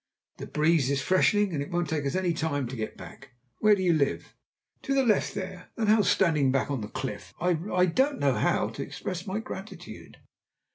The breeze is freshening, and it won't take us any time to get back. Where do you live?" "To the left there! That house standing back upon the cliff. I don't know how to express my gratitude."